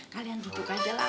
kalian duduk aja lah